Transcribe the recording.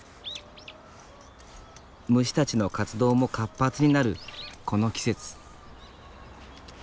虫たちの活動も活発になるこの季節。